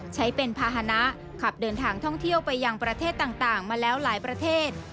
ใช้เป็นภาษณะขับเดินทางท่องเที่ยวไปยังประเทศต่างมาแล้วหลายประเทศ